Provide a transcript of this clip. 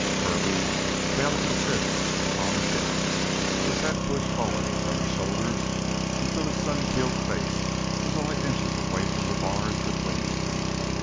"Kirby!" Bayliss' fists were on his hips, his head pushed forward from his shoulders until his sun peeled face was only inches away from the bars between them.